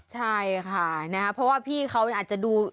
ใช่ค่ะนะครับเพราะว่าพี่เขาอาจจะดู